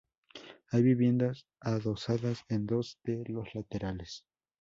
Hay viviendas adosadas en dos de los laterales.